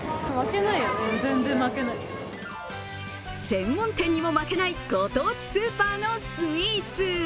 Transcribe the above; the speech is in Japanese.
専門店にも負けないご当地スーパーのスイーツ。